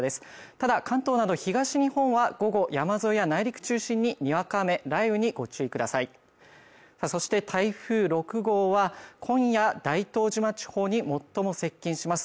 ただ関東など東日本は午後山沿いや内陸中心ににわか雨雷雨にご注意くださいさあそして台風６号は今夜大東島地方に最も接近します